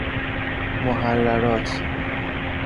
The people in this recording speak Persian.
محررات